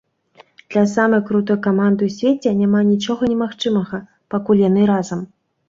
Для самай крутой каманды ў свеце няма нічога немагчымага, пакуль яны разам.